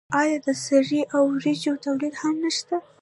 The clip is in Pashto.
آیا د سرې او وریجو تولید هم نشته؟